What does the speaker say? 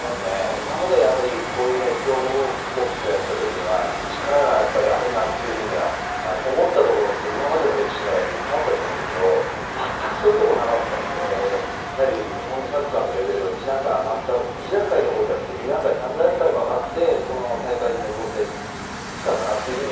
今までこういう強豪国とやったときには力があるなというふうには思ったところって今までの歴史の中でいっぱいあったと思いますけどまったくそういうところなかったんで日本のサッカーのレベルが１段階どころじゃなくて２段階、３段階も上がってこの大会に臨んできたんだな